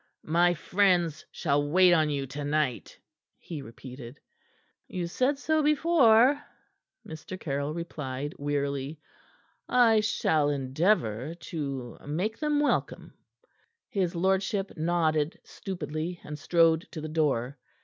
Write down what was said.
"My friends shall wait on you to night," he repeated. "You said so before," Mr. Caryll replied wearily. "I shall endeavor to make them welcome." His lordship nodded stupidly, and strode to the door.